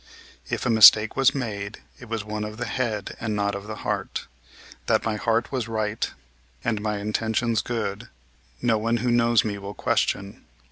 If a mistake was made, it was one of the head and not of the heart. That my heart was right and my intentions good, no one who knows me will question.